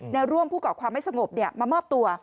ร่วมผู้เกาะความไม่สงบมามอบตัว